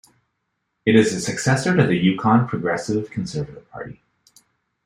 It is the successor to the Yukon Progressive Conservative Party.